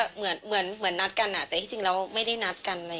เหมือนนัดกันแต่ที่จริงแล้วไม่ได้นัดกัน